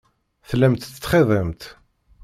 Tellamt tettxiḍimt.